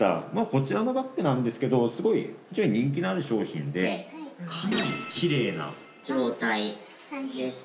こちらのバッグなんですけどすごい人気のある商品でかなりキレイな状態でして。